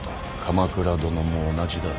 鎌倉殿も同じだ。